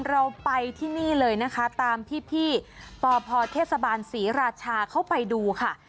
เราไปที่นี่เลยนะคะตามพี่ปพเทศบาลศรีราชาเข้าไปดูค่ะ